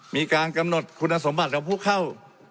มีการกำหนดคุณสมบัติของผู้เข้า